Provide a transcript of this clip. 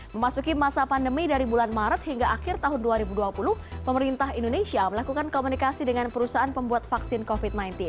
memasuki masa pandemi dari bulan maret hingga akhir tahun dua ribu dua puluh pemerintah indonesia melakukan komunikasi dengan perusahaan pembuat vaksin covid sembilan belas